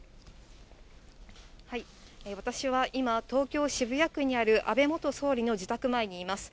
私は今、東京・渋谷区にある安倍元総理の自宅前にいます。